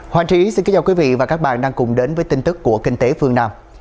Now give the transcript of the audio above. hoàng trí xin kính chào quý vị và các bạn đang cùng đến với tin tức của kinh tế phương nam